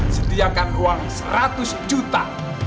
sediakan uang seratus juta